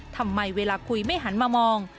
ทำไมเวลาคุยไม่หันมามอง